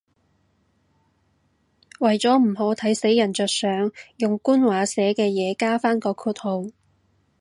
為咗唔好睇死人着想，用官話寫嘅嘢加返個括號